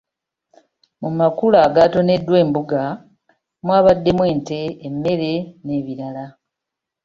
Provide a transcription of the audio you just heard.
Mu makula agaatoneddwa embuga mwabaddemu ente, emmere n'ebirala.